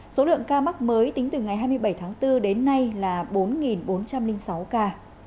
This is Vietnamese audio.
số lượng ca mắc mới tính từ ngày hai mươi bảy tháng bốn đến nay là bốn bốn trăm linh sáu ca